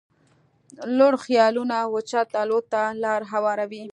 لوړ خيالونه اوچت الوت ته لاره هواروي.